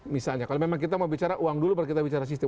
misalnya kalau memang kita mau bicara uang dulu baru kita bicara sistem